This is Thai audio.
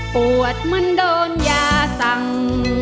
ปวดเหมือนโดนยาสั่ง